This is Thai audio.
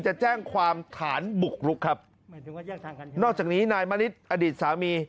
จะแจ้งความฐานบุกรุกครับนอกจากนี้นายมณิษฐ์อดีตสามี